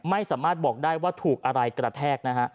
ไม่สามารถบอกได้ว่าถูกอะไรกระแทกนะฮะ